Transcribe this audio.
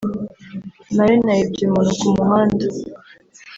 nayo nayibye umuntu ku muhanda